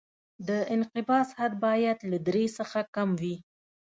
د انقباض حد باید له درې څخه کم وي